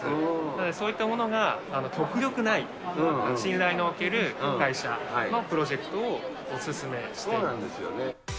なので、そういったものが極力ない、信頼のおける会社のプロジェクトをお勧めしています。